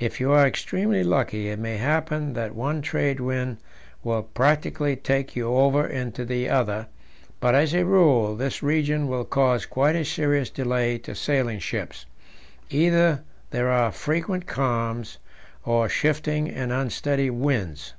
If you are extremely lucky, it may happen that one trade wind will practically take you over into the other; but, as a rule, this region will cause quite a serious delay to sailing ships; either there are frequent calms, or shifting and unsteady winds.